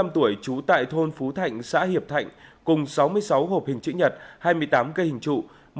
bốn mươi năm tuổi trú tại thôn phú thạnh xã hiệp thạnh cùng sáu mươi sáu hộp hình chữ nhật hai mươi tám cây hình trụ